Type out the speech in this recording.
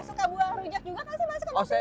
suka buah rujak juga kan sih mas